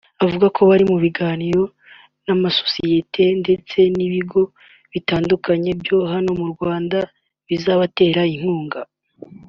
avuga ko bari mu biganiro n’amasosiyete ndetse n’ibigo bitandukanye bya hano mu Rwanda bizabatere inkunga